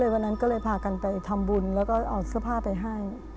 วันนั้นก็เลยพากันไปทำบุญแล้วก็เอาเสื้อผ้าไปให้